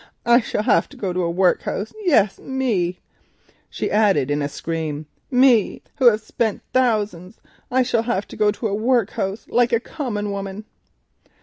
I shall have to go to the workhouse. Yes, me," she added in a scream, "me, who have spent thousands; I shall have to go to a workhouse like a common woman!"